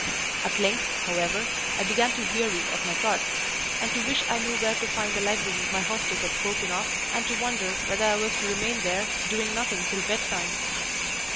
At length, however, I began to weary of my thoughts, and to wish I knew where to find the library my hostess had spoken of; and to wonder whether I was to remain there doing nothing till bed time.